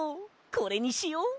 これにしよ！